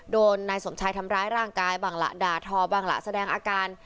โดนนายสมชายทำร้ายร่างกายบ้างล่ะด่าทอบ้างล่ะแสดงอาการ